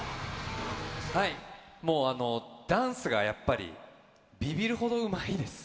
もうダンスがやっぱり、びびるほどうまいです。